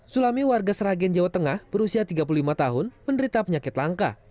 sulami warga sragen jawa tengah berusia tiga puluh lima tahun menderita penyakit langka